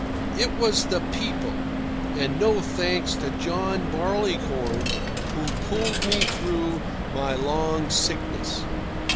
It was the PEOPLE, and no thanks to John Barleycorn, who pulled me through my long sickness.